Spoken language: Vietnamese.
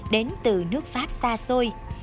đến từ nước pháp xa xôi